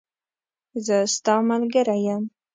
زه ستاملګری یم